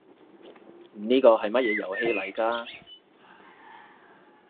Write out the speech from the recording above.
呢個係乜遊戲嚟㗎？